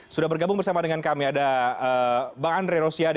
sudah bergabung bersama dengan kami ada bang andre rosiade